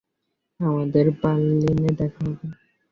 আমাদের বার্লিনে দেখা হবে।